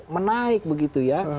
menaik begitu ya